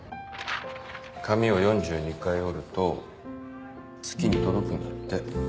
紙を４２回折ると月に届くんだって。